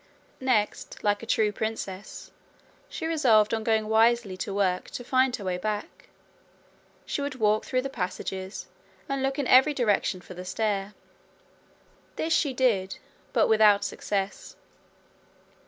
Next, like a true princess, she resolved on going wisely to work to find her way back: she would walk through the passages, and look in every direction for the stair. This she did, but without success.